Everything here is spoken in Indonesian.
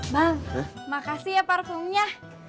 bang makasih ya parfumnya